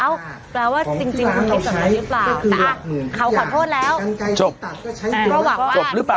แปลว่าจริงต้องคิดสำหรับอะไรรึเปล่า